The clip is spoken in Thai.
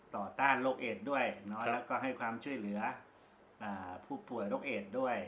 ต้านโรคเอดด้วยแล้วก็ให้ความช่วยเหลือผู้ป่วยโรคเอดด้วย